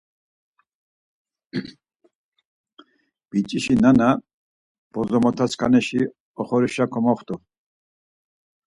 Biç̌işi nana, bozomotasǩanişi oxorişa komoxt̆u.